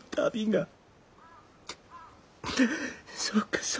そうか。